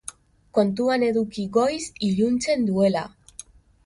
Kontuan eduki goiz iluntzen duela.